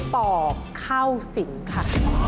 ปอกเข้าสิงค่ะ